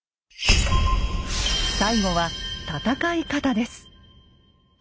最後は戦い方です。